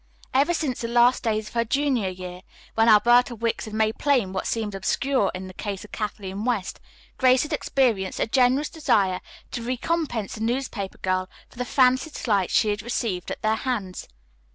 Ever since the last days of her junior year, when Alberta Wicks had made plain what seemed obscure in the case of Kathleen West, Grace had experienced a generous desire to recompense the newspaper girl for the fancied slight she had received at their hands.